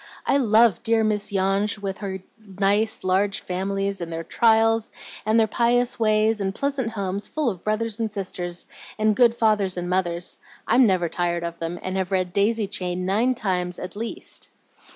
"I love dear Miss Yonge, with her nice, large families, and their trials, and their pious ways, and pleasant homes full of brothers and sisters, and good fathers and mothers. I'm never tired of them, and have read 'Daisy Chain' nine times at least."